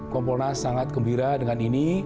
kompolnas sangat gembira dengan ini